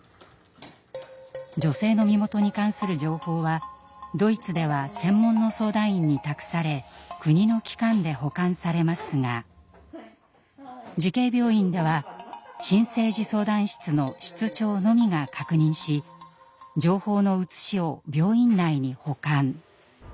女性の身元に関する情報はドイツでは専門の相談員に託され国の機関で保管されますが慈恵病院では新生児相談室の室長のみが確認し情報の写しを病院内に保管。